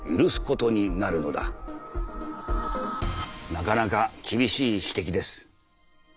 なかなか厳しい指摘です。